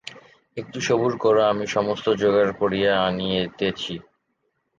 একটু সবুর করো, আমি সমস্ত জোগাড় করিয়া আনিতেছি।